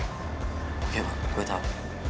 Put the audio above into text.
oke bang gua tau